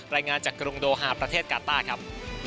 รายงานจากกรุงโดฮาประเทศกาต้าครับ